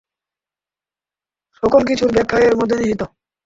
সকলকিছুর ব্যাখ্যা এর মধ্যে নিহিত!